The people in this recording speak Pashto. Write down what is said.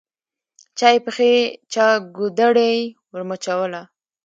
چا یې پښې چا ګودړۍ ورمچوله